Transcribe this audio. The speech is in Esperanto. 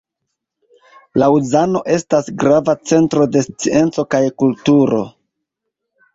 Laŭzano estas grava centro de scienco kaj kulturo.